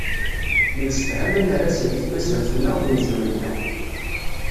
Nemsefham ad nerr azal i tmaziɣt-nneɣ d umezruy-nneɣ.